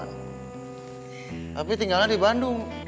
tapi tinggalnya di bandung